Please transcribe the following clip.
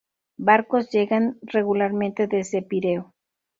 Barcos llegan regularmente desde Pireo.